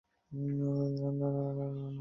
কাল কাজে যেতে হবে আমাকে।